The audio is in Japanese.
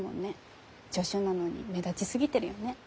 助手なのに目立ちすぎてるよね。